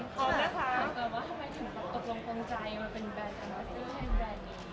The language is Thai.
โชวิดจริงตอนใช้ผัด